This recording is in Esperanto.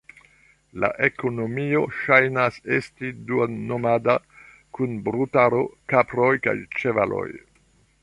La ekonomio ŝajnas esti duon-nomada, kun brutaro, kaproj kaj ĉevaloj.